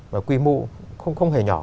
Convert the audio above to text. và quy mô không hề nhỏ